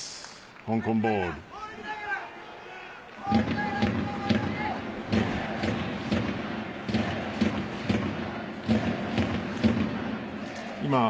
香港ボールです。